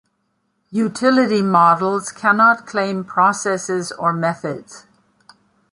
Utility models cannot claim processes or methods.